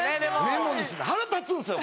メモにすんの腹立つんすよ